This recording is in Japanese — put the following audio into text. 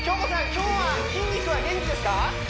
今日は筋肉は元気ですか？